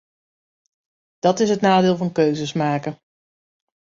Dat is het nadeel van keuzes maken.